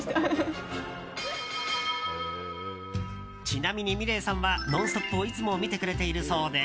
ちなみに、ｍｉｌｅｔさんは「ノンストップ！」をいつも見てくれているそうで。